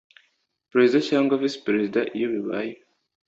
Perezida cyangwa visi Perezida iyo bibaye